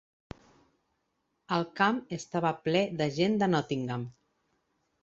El camp estava ple de gent de Nottingham.